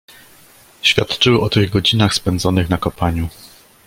"Świadczyły o tych godzinach, spędzonych na kopaniu."